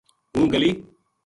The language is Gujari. ہوں گلی